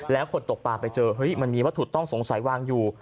แล้วคนตกปลาไปเจอเฮ้ยมันมีวัตถุต้องสงสัยวางอยู่